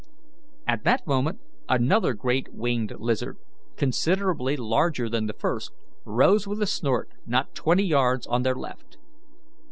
At that moment another great winged lizard, considerably larger than the first, rose with a snort, not twenty yards on their left.